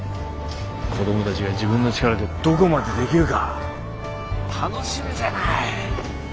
子供たちが自分の力でどこまでできるか楽しみじゃない。